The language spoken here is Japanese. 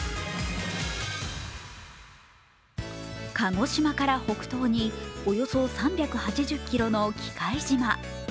鹿児島から北東におよそ３８０ｋｍの喜界島。